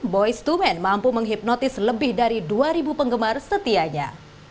boyz dua men mampu menghipnotis lebih dari dua penggemar setianya